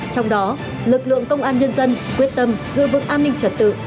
trong đó lực lượng công an nhân dân quyết tâm giữ vững an ninh trật tự